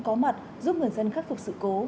có mặt giúp người dân khắc phục sự cố